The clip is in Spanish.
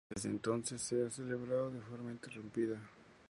Desde entonces, se ha celebrado de forma ininterrumpida.